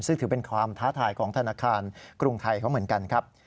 ซึ่งถือเป็นความท้าทายของธนาคารกรุงไทยเขาเหมือนกันครับ